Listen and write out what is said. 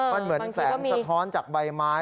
มันเหมือนแสงสะท้อนจากใบไม้